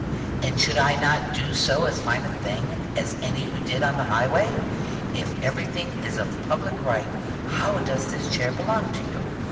And should I not do as fine a thing as any you did on the highway? If everything is of public right, how does this chair belong to you?